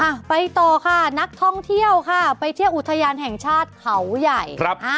อ่ะไปต่อค่ะนักท่องเที่ยวค่ะไปเที่ยวอุทยานแห่งชาติเขาใหญ่ครับอ่า